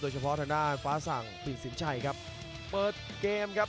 จังหวาดึงซ้ายตายังดีอยู่ครับเพชรมงคล